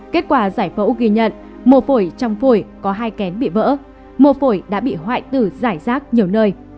kết quả giải phẫu ghi nhận mô phổi trong phổi có hai kén bị vỡ mô phổi đã bị hoại tử giải rác nhiều nơi